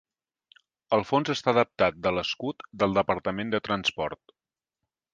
El fons està adaptat de l'escut del Departament de Transport.